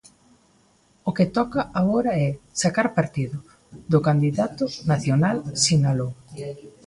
O que toca agora é "sacar partido" do candidato "nacional", sinalou.